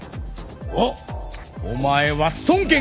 おっお前は孫堅か！